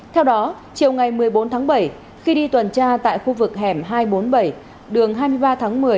theo đó chiều ngày một mươi bốn tháng bảy khi đi tuần tra tại khu vực hẻm hai trăm bốn mươi bảy đường hai mươi ba tháng một mươi